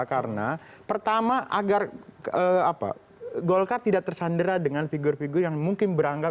karena pertama agar golkar tidak tersandera dengan figur figur yang mungkin beranggap